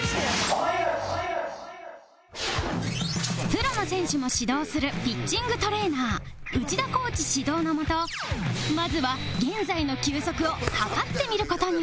プロの選手も指導するピッチングトレーナー内田コーチ指導の下まずは現在の球速を測ってみる事に